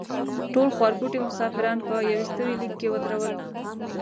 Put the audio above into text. ټول خوارکوټي مسافران په یوستوي لیک کې ودرول.